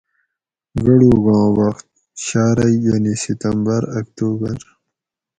گڑوگاں وخت: -شارئ یعنی ستمبر اکتوبر